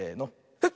フッ。